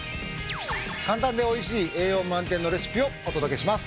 簡単で美味しい栄養満点のレシピをお届けします。